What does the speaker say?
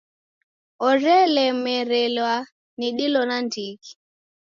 Orelemerelwa ni dilo nandighi.